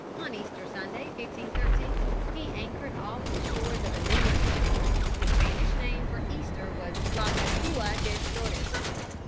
On Easter Sunday, 1513, he anchored off the shores of a new land. The Spanish name for Easter was La Pascua de los Flores.